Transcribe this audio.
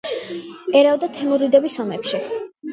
ერეოდა თემურიდების ომებში.